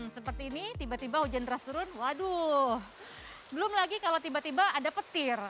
seperti ini tiba tiba hujan deras turun waduh belum lagi kalau tiba tiba ada petir